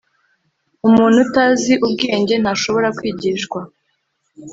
Umuntu utazi ubwenge ntashobora kwigishwa,